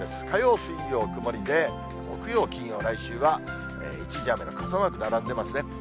火曜、水曜、曇りで、木曜、金曜、来週は一時雨の傘マーク並んでますね。